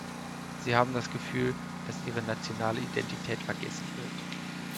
Sie haben das Gefühl, dass ihre nationale Identität vergessen wird.